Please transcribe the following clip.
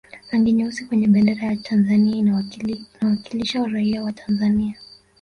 rangi nyeusi kwenye bendera ya tanzania inawakilisha raia wa tanzania